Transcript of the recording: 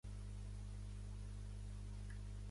Faria falta també la lletra del de-ena-i, si us plau,.